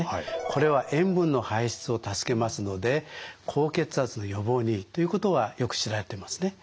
これは塩分の排出を助けますので高血圧の予防にいいということはよく知られてますね。